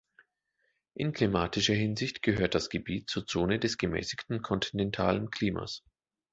In klimatischer Hinsicht gehört das Gebiet zur Zone des gemäßigten kontinentalen Klimas.